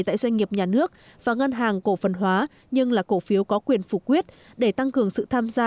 tại doanh nghiệp nhà nước và ngân hàng cổ phần hóa nhưng là cổ phiếu có quyền phục quyết để tăng cường sự tham gia